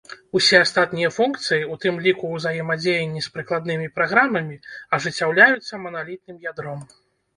Усе астатнія функцыі, у тым ліку узаемадзеянне з прыкладнымі праграмамі, ажыццяўляюцца маналітным ядром.